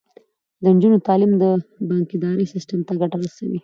د نجونو تعلیم د بانکدارۍ سیستم ته ګټه رسوي.